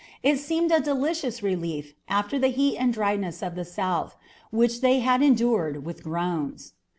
It seemed a delicious relief, after the heat and dryness of the south, which they had endured with groans.